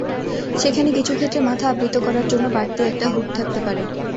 সেখানে কিছু ক্ষেত্রে মাথা আবৃত করার জন্য বাড়তি একটা হুড থাকতে পারে।